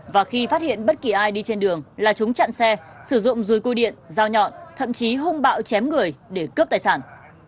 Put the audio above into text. và khi phát hiện bất kỳ ai đi trên đường là chúng chặn xe sử dụng dùi cui điện dao nhọn thậm chí hung bạo chém người để cướp tài sản